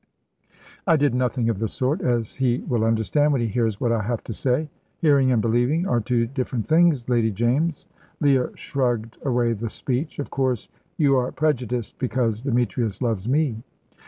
"I did nothing of the sort, as he will understand when he hears what I have to say." "Hearing and believing are two different things, Lady James." Leah shrugged away the speech. "Of course, you are prejudiced, because Demetrius loves me."